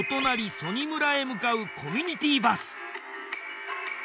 曽爾村へ向かうコミュニティバス。